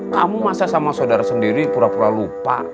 kamu masa sama saudara sendiri pura pura lupa